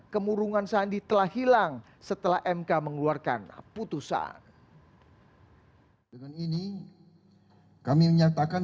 kemurungan sandi telah hilang setelah mk mengeluarkan putusan dengan ini kami menyatakan